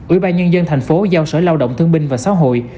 ủy ban nhân dân tp hcm giao sở lao động thương binh và xã hội